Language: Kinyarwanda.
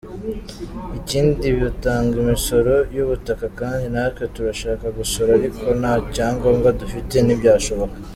Ikindi batanga imisoro y’ubutaka kandi natwe turashaka gusora ariko nta cyangobwa dufite ntibyashoboka.